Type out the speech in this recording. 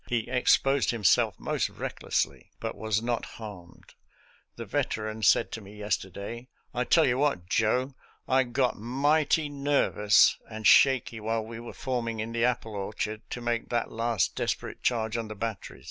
He exposed himself most recklessly, but was not harmed. The Veteran said to me yesterday. " I tell you what, Joe, I got mighty nervous and shaky while we were forming in the apple or chard to make that last desperate charge on the batteries.